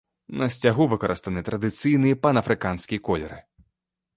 На сцягу выкарыстаны традыцыйныя панафрыканскія колеры.